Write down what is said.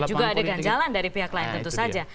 juga ada ganjalan dari pihak lain tentu saja